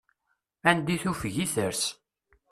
Anda i tufeg i ters.